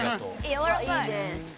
やわらかい。